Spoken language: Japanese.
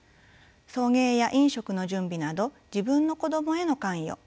送迎や飲食の準備など自分の子どもへの関与